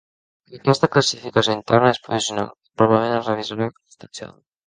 Aquesta classificació interna és provisional, i probablement es revisarà substancialment.